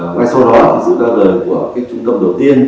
ngay sau đó sự ra lời của trung tâm đầu tiên